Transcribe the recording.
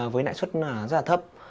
với lãi suất rất là thấp